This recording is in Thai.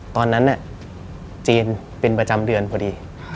ตอนนั้นจีนเป็นประจำเดือนพอดี